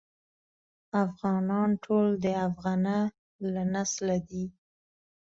افغانان ټول د افغنه له نسله دي.